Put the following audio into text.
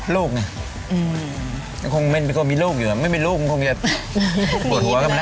ลูกไงยังคงมีลูกอยู่ไม่มีลูกมันคงจะปวดหัวกันไปแล้ว